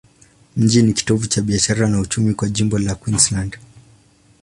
Mji ni kitovu cha biashara na uchumi kwa jimbo la Queensland.